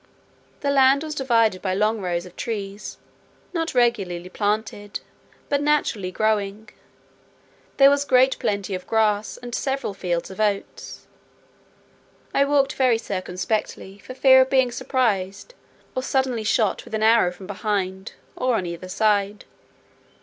The land was divided by long rows of trees, not regularly planted, but naturally growing; there was great plenty of grass, and several fields of oats. I walked very circumspectly, for fear of being surprised, or suddenly shot with an arrow from behind, or on either side.